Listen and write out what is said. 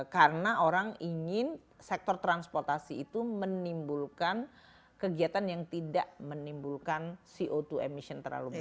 karena orang ingin sektor transportasi itu menimbulkan kegiatan yang tidak menimbulkan co dua emission terlalu besar